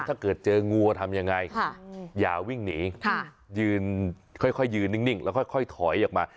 ถ้าเกิดเจองูทำยังไงอย่าวิ่งหนีค่อยยืนนิ่งแล้วค่อยถอยออกมา